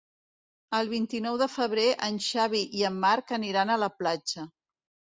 El vint-i-nou de febrer en Xavi i en Marc aniran a la platja.